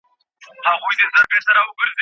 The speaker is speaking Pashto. ستا په لاره کي به نه وي زما د تږو پلونو نښي